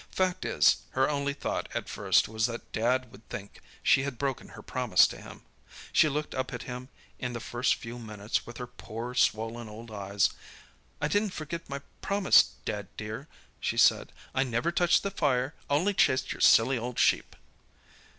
Fact is, her only thought at first was that Dad would think she had broken her promise to him. She looked up at him in the first few minutes, with her poor, swollen old eyes. 'I didn't forget my promise, Dad, dear,' she said. 'I never touched the fire—only chased your silly old sheep!